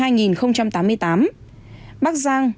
nghệ an bốn trăm tám mươi hai tám mươi tám